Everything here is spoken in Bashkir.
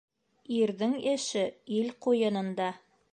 Ирҙең эше ил ҡуйынында.